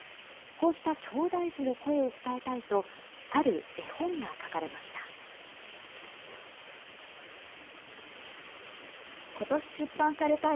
こうしたきょうだい児の声を伝えたいと、ある絵本が描かれました。